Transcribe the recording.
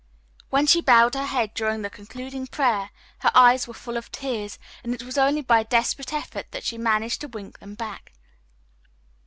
When she bowed her head during the concluding prayer her eyes were full of tears and it was only by desperate effort that she managed to wink them back.